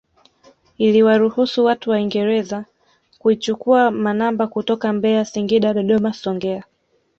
Iliwaruhusu watu waingereza kuichukua manamba kutoka Mbeya Singida Dodoma Songea